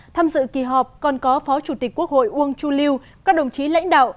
tham dự kỳ họp còn có phó chủ tịch quốc hội uông chu lưu các đồng chí lãnh đạo